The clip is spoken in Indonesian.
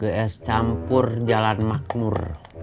ke es campur jalan makmur